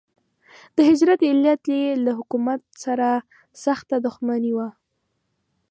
د هجرت علت یې له حکومت سره سخته دښمني وه.